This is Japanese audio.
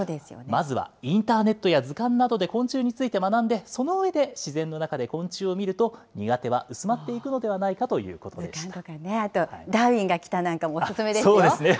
まずやインターネットや図鑑などで昆虫について学んで、その上で自然の中で昆虫を見ると、苦手は薄まっていくのではないかと図鑑とかね、あと、ダーウィそうですね。